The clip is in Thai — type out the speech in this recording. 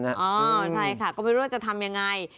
ใช่ค่ะก็ไม่รู้ว่าจะทำยังไง